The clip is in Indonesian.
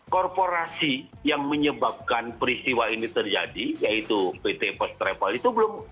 korporasi yang menyebabkan peristiwa ini terjadi yaitu pt post travel itu belum